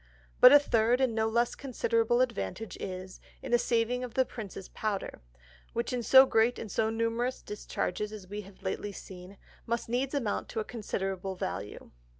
But a Third, and no less considerable Advantage is, in the saving the Prince's Powder, which in so great and so numerous Discharges, as we have lately seen, must needs amount to a considerable Value.